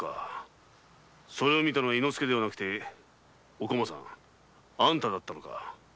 それを見たのは伊之助ではなくてお駒さんあんただったのか？